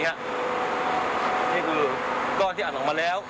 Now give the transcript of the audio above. นี่คือก้อนที่อัดออกมาแล้ว